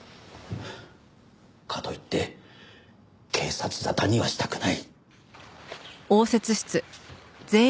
かといって警察沙汰にはしたくない。